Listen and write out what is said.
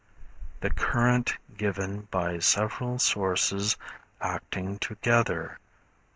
The current given by several sources acting together.